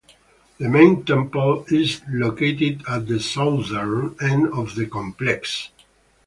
The main temple is located at the southern end of the complex.